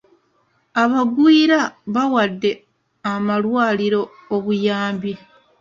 Abagwira bawadde amalwaliro obuyambi.